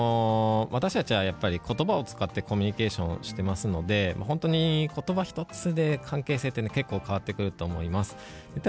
私たちはことばを使ってコミュニケーションしていますのでことば１つで関係性は結構変わってくると思います。